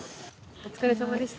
お疲れさまでした。